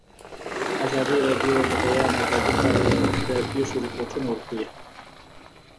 ازادي راډیو د د بیان آزادي په اړه د پېښو رپوټونه ورکړي.